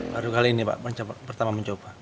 baru kali ini pak pertama mencoba